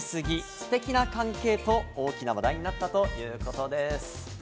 ステキな関係と大きな話題になったということです。